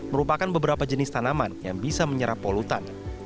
merupakan beberapa jenis tanaman yang bisa menyerap polutan